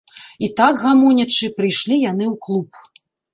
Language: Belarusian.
І так, гамонячы, прыйшлі яны ў клуб.